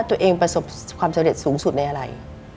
ประสบความสำเร็จสูงสุดในอะไร